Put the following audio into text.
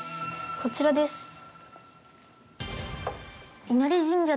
こちらです。